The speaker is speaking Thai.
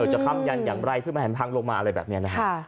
จะคำยันอย่างไรเพื่อแผ่นทางลงมาอะไรแบบนี้นะครับ